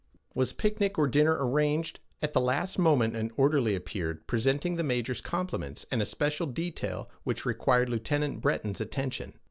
Was picnic or dinner arranged, at the last moment an orderly appeared, presenting the major's compliments and a special detail which required Lieutenant Breton's attention.